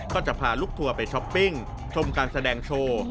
ก็จะพาลูกทัวร์ไปช้อปปิ้งชมการแสดงโชว์